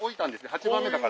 ８番目だから。